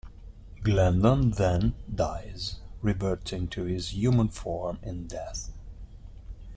Glendon then dies, reverting to his human form in death.